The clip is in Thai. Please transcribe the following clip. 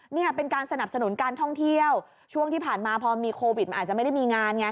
นี่เป็นการสนับสนุนการท่องเที่ยวช่วงที่ผ่านมาพอมีโควิดมันอาจจะไม่ได้มีงานไง